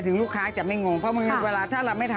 ใช่แล้วอย่างนี้เราก็แบบ